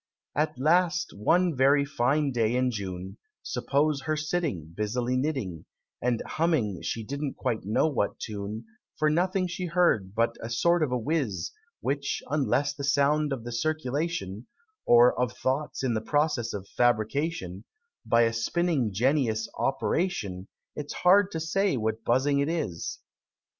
At last one very fine day in June Suppose her sitting, Busily knitting, And humming she didn't quite know what tune; For nothing she heard but a sort of a whizz, Which, unless the sound of the circulation, Or of Thoughts in the process of fabrication, By a Spinning Jennyish operation, It's hard to say what buzzing it is.